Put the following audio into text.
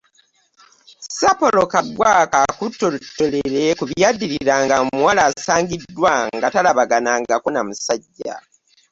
Sir Apollo Kaggwa k'akuttottolere ku byaddiriranga ng’omuwala asangiddwa nga talabaganangako na musajja.